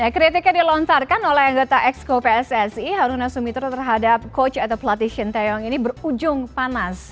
kritiknya dilontarkan oleh anggota exco pssi haruna sumitra terhadap coach atau pelatih shinteyong ini berujung panas